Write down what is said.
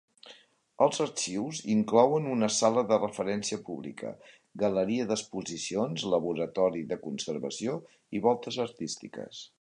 Els arxius inclouen una sala de referència pública, galeria d'exposicions, laboratori de conservació i voltes artístiques.